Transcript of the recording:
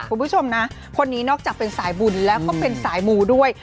คุณผู้ชมนะคนนี้นอกจากเป็นสายบุญแล้วก็เป็นสายมูด้วย